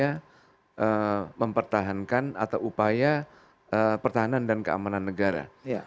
apa yang kita harus lakukan untuk mempertahankan atau upaya pertahanan dan keamanan negara